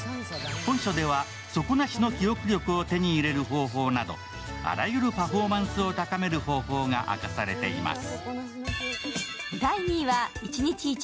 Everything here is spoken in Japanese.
本書では底なしの記憶力を手に入れる方法などあらゆるパフォーマンスを高める方法が明かされています。